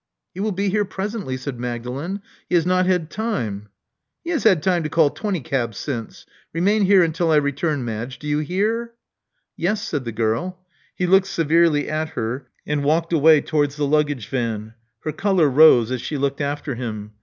He will be here presently," said Magdalen. He has not had time "He has had time to call twenty cabs since. Remain here until I return, Madge. Do you hear?" Yes," said the girl. He looked severely at her, and walked away towards the luggage van. Her color rose as she looked after him.